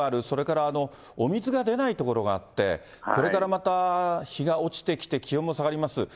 それからお水が出ない所があって、これからまた日が落ちてきて、気温も下がります。